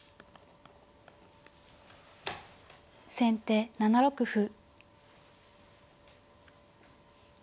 先手７六歩。